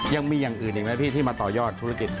ยังมีอย่างอื่นอีกไหมพี่ที่มาต่อยอดธุรกิจ